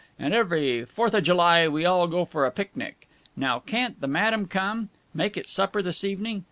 And every Fourthajuly we all go for a picnic. Now can't the madam come? Make it supper this evening.